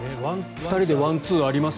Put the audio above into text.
２人でワンツーあります